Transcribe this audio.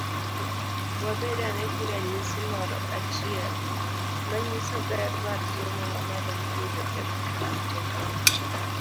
Wabed ane gi ranyisi moro achiel manyiso ber mar somo mamalo miyudo e politeknik.